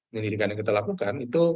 pendidikan yang kita lakukan